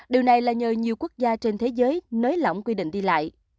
điều này là nhờ nhiều quốc gia trên thế giới nới lỏng quy định đi lại